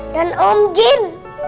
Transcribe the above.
dan om jin